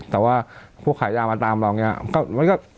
แต่ว่าพวกขายยามาตามเราอย่างนี้